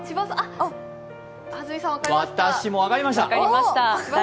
私も分かりました。